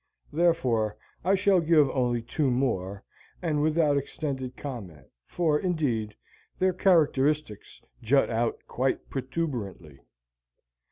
Therefore I shall give only two more and without extended comment; for, indeed, their characteristics jut out quite protuberantly.